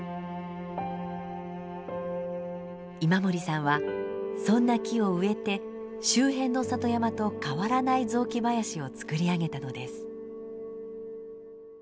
今森さんはそんな木を植えて周辺の里山と変わらない雑木林をつくり上げたのです。